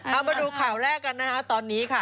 เอามาดูข่าวแรกกันนะคะตอนนี้ค่ะ